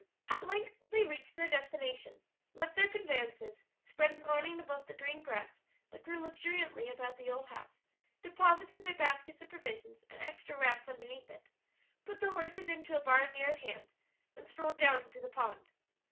At length they reached their destination, left their conveyances, spread an awning above the green grass that grew luxuriantly about the old house, deposited their baskets of provisions and extra wraps underneath it, put the horses into a barn near at hand, and strolled down to the pond.